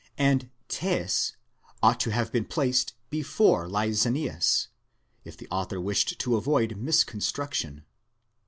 and τῆς ought to have been placed before Lysanias, if the author wished to avoid misconstruc tion.